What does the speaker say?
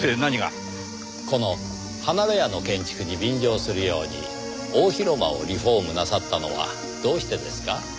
この離れ家の建築に便乗するように大広間をリフォームなさったのはどうしてですか？